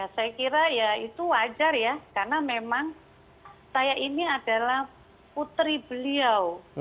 saya kira ya itu wajar ya karena memang saya ini adalah putri beliau